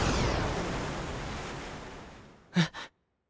えっ？